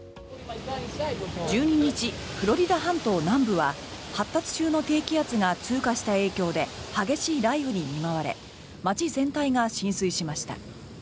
１２日、フロリダ半島南部は発達中の低気圧が通過した影響で激しい雷雨に見舞われ街全体が浸水しました。